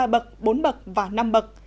ba bậc bốn bậc và năm bậc